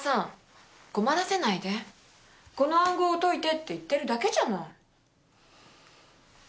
この暗号を解いてって言ってるだけじゃない。